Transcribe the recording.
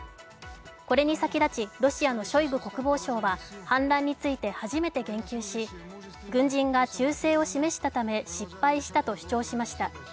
これに先立ちロシアのショイグ国防相は反乱について初めて言及し、軍人が忠誠を示したため、失敗したと主張しました。